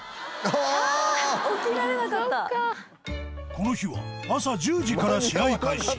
この日は朝１０時から試合開始